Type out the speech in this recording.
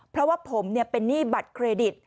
เพราะว่าผมเป็นหนี้บัตรเครดิต